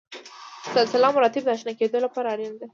سلسله مراتب د اشنا کېدو لپاره اړینه ده.